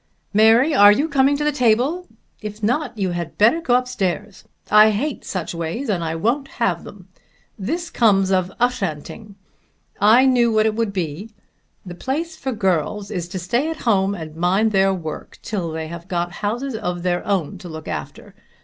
"Mary, are you coming to the table? If not you had better go up stairs. I hate such ways, and I won't have them. This comes of Ushanting! I knew what it would be. The place for girls is to stay at home and mind their work, till they have got houses of their own to look after.